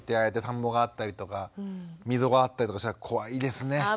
やって田んぼがあったりとか溝があったりとかしたら怖いですね。